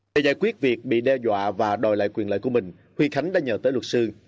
để giải quyết việc bị đe dọa và đòi lại quyền lợi của mình huy khánh đã nhờ tới luật sư